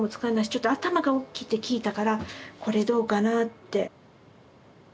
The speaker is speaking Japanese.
ちょっと頭がおっきいって聞いたから「これどうかな？」って。